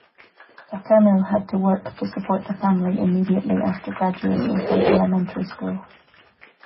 Takano had to work to support the family immediately after graduating from elementary school.